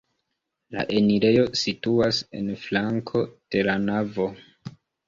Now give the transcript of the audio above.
La enirejo situas en flanko de la navo.